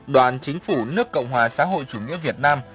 đoàn chính phủ nước cộng hòa xã hội chủ nghĩa việt nam